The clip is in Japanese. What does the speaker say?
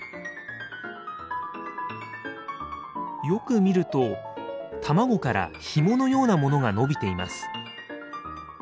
よく見ると卵からひものようなものがのびています。